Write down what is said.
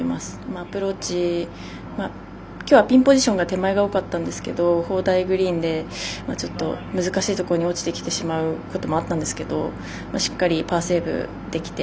アプローチ、きょうはピンポジションが前だったんですけど砲台グリーンでちょっと難しいところに落ちてきてしまうところもあったんですけどしっかりパーセーブできて。